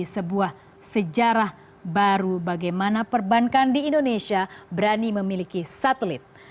sebuah sejarah baru bagaimana perbankan di indonesia berani memiliki satelit